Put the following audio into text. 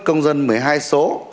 công dân một mươi hai số